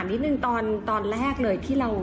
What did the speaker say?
เต็มทรอะค่ะ